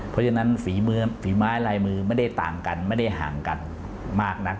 เพราะฉะนั้นฝีมือฝีไม้ลายมือไม่ได้ต่างกันไม่ได้ห่างกันมากนัก